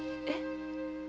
えっ？